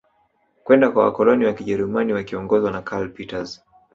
Kwenda kwa wakoloni wa kijerumani wakiongozwa na karl peters